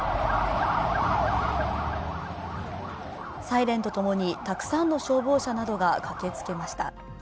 サイレンとともにたくさんの消防車などが駆けつけました。